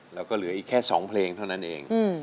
เราก็เหลือแค่๒เพลงเท่านั้นเอง